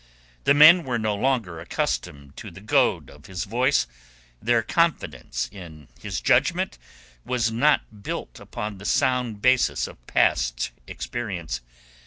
The men were no longer accustomed to the goad of his voice, their confidence in his judgment was not built upon the sound basis of past experience.